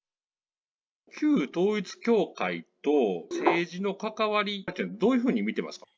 旧統一教会と政治の関わりって、どういうふうに見てますか。